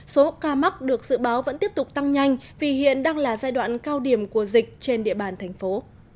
số ca mắc được dự báo vẫn tiếp tục tăng nhanh vì hiện đang là giai đoạn cao điểm của dịch trên địa bàn thành phố